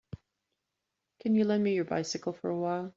Can you lend me your bycicle for a while.